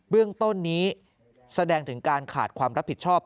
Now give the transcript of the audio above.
เรื่องต้นนี้แสดงถึงการขาดความรับผิดชอบ